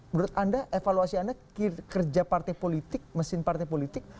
menurut anda evaluasi anda kerja partai politik mesin partai politik